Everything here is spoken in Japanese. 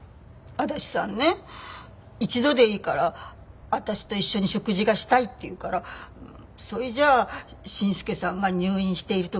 足立さんね一度でいいから私と一緒に食事がしたいって言うからそれじゃあ伸介さんが入院している時にって。